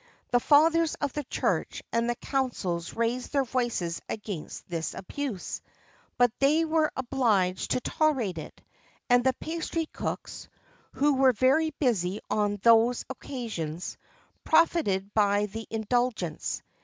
The Fathers of the Church and the Councils raised their voices against this abuse;[XXIV 36] but they were obliged to tolerate it, and the pastry cooks, who were very busy on those occasions, profited by the indulgence.